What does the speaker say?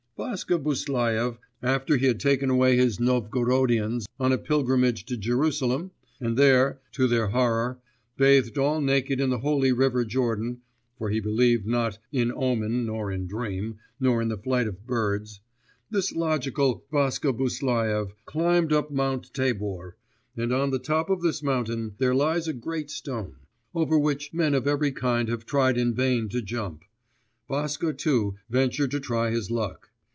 Vaska Buslaev, after he had taken away his Novgorodians on a pilgrimage to Jerusalem, and there, to their horror, bathed all naked in the holy river Jordan, for he believed not "in omen nor in dream, nor in the flight of birds," this logical Vaska Buslaev climbed up Mount Tabor, and on the top of this mountain there lies a great stone, over which men of every kind have tried in vain to jump.... Vaska too ventured to try his luck.